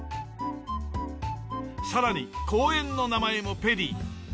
さらに公園の名前もペリー。